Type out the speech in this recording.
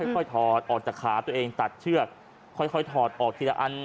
ค่อยถอดออกจากขาตัดเชือกค่อยถอดออกทีละอัน